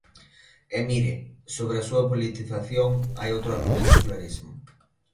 E mire, sobre a súa politización hai outro argumento clarísimo.